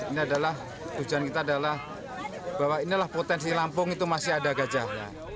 ini adalah tujuan kita adalah bahwa inilah potensi lampung itu masih ada gajahnya